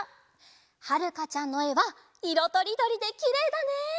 はるかちゃんのえはいろとりどりできれいだね！